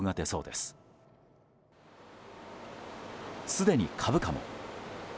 すでに株価も。